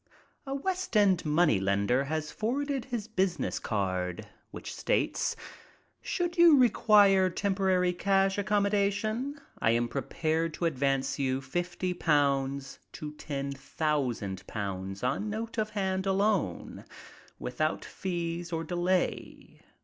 A West End money lender has forwarded his business card, which states: "Should you require temporary cash accommodation, I am prepared to advance you £50 to £10,000 on note of hand alone, without fees or delay.